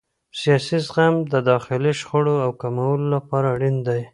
سیاسي زغم د داخلي شخړو د کمولو لپاره اړین دی